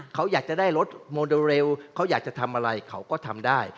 เขาอยากจะได้รถโมเดลเขาอยากจะทำอะไรเขาก็ทำได้